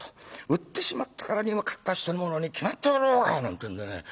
売ってしまったからには買った人のものに決まっておろうがなんてんでね